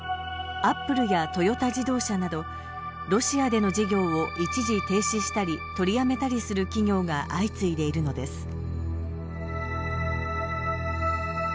アップルやトヨタ自動車などロシアでの事業を一時停止したり取りやめたりする企業が相次いでいるのです。